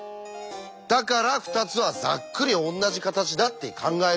だから２つはざっくりおんなじ形だって考えるんです。